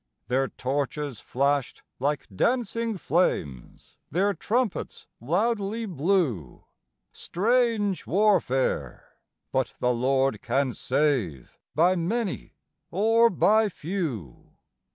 Their torches flashed like dancing flames, their trumpets loudly blew; Strange warfare! but the Lord can save by many or by few.